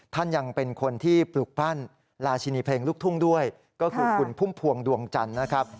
ท่านยังเป็นคนที่ปลูกปั้นราชินีเพลงลูกทุ่งด้วยก็คือคุณพุ่มพวงดวงจันทร์นะครับ